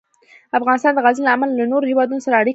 افغانستان د غزني له امله له نورو هېوادونو سره اړیکې لري.